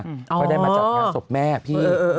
เขาได้มาจัดงานศพแม่พี่